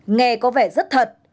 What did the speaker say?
nghe có vẻ rất thật